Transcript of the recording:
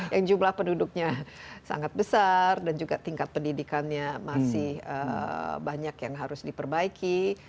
yang jumlah penduduknya sangat besar dan juga tingkat pendidikannya masih banyak yang harus diperbaiki